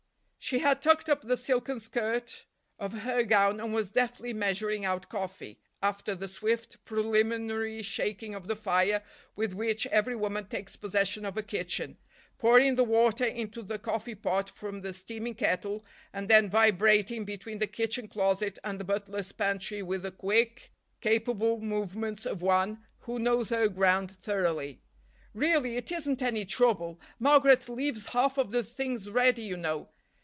She had tucked up the silken skirt of her gown and was deftly measuring out coffee—after the swift, preliminary shaking of the fire with which every woman takes possession of a kitchen—pouring the water into the coffee pot from the steaming kettle, and then vibrating between the kitchen closet and the butler's pantry with the quick, capable movements of one who knows her ground thoroughly. "Really, it isn't any trouble. Margaret leaves half of the things ready, you know.